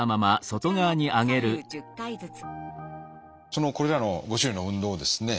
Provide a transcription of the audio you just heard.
そのこれらの５種類の運動をですね